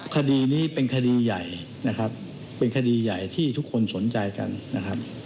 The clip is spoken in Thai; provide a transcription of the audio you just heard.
คดีนี้เป็นคดีใหญ่นะครับเป็นคดีใหญ่ที่ทุกคนสนใจกันนะครับ